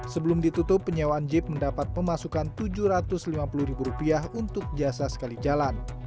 sebelum ditutup penyewaan jeep mendapat pemasukan rp tujuh ratus lima puluh untuk jasa sekali jalan